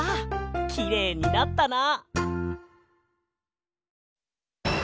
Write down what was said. きれいになったな。